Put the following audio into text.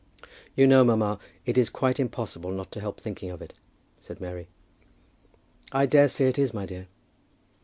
"You know, mamma, it is quite impossible not to help thinking of it," said Mary. "I dare say it is, my dear."